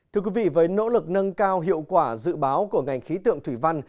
thưa quý vị với nỗ lực nâng cao hiệu quả dự báo của ngành khí tượng thủy văn